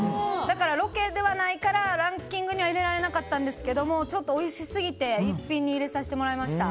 ロケではないからランキングには入れられなかったんですがちょっとおいしすぎて逸品に入れさせてもらいました。